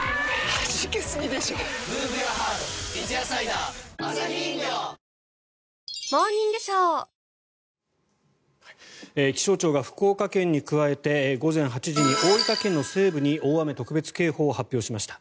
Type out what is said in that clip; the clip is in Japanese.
はじけすぎでしょ『三ツ矢サイダー』気象庁が福岡県に加えて午前８時に大分県西部に大雨特別警報を発表しました。